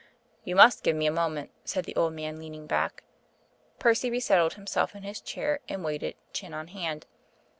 PROLOGUE "You must give me a moment," said the old man, leaning back. Percy resettled himself in his chair and waited, chin on hand.